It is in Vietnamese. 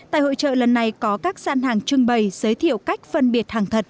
tại hội trợ lần này có các gian hàng trưng bày giới thiệu cách phân biệt hàng thật